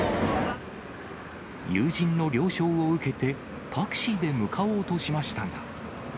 友人の了承を受けて、タクシーで向かおうとしましたが。